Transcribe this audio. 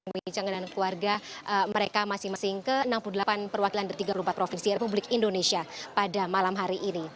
membincangkan keluarga mereka masing masing ke enam puluh delapan perwakilan dari tiga puluh empat provinsi republik indonesia pada malam hari ini